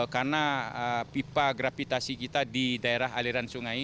karena pipa gravitasi kita di daerah aliran sungai